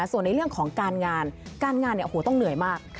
ส่วนในเรื่องของการงานการงานต้องเหนื่อยมาก